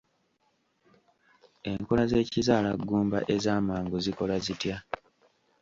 Enkola z'ekizaalaggumba ez'amangu zikola zitya?